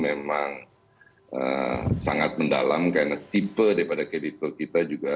kreditor yang dikasih kreditor ini memang sangat mendalam karena tipe daripada kreditor kita juga